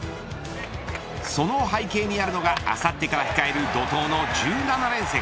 その背景にあるのがあさってから控える怒とうの１７連戦。